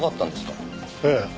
ええ。